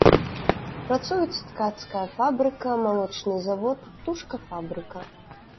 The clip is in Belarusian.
Працуюць ткацкая фабрыка, малочны завод, птушкафабрыка.